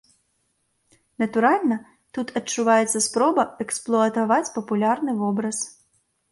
Натуральна, тут адчуваецца спроба эксплуатаваць папулярны вобраз.